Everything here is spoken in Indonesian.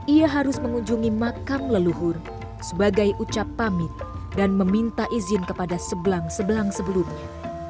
ia harus mengunjungi makam leluhur sebagai ucap pamit dan meminta izin kepada sebelang sebelang sebelumnya